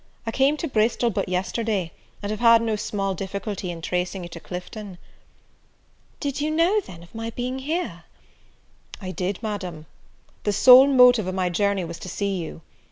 I came to Bristol but yesterday, and have had no small difficulty in tracing you to Clifton." "Did you know, then, of my being here?" "I did, Madam; the sole motive of my journey was to see you.